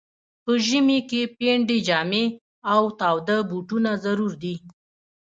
په ژمي کي پنډي جامې او تاوده بوټونه ضرور دي.